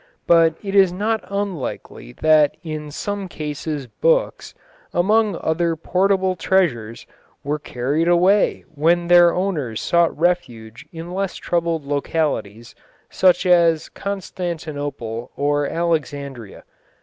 But it is not unlikely that in some cases books, among other portable treasures, were carried away when their owners sought refuge in less troubled localities, such as Constantinople or Alexandria.